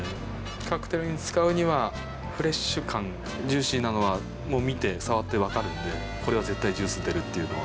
カクテルに使うにはフレッシュ感ジューシーなのはもう見て触って分かるんでこれは絶対ジュース出るっていうのは。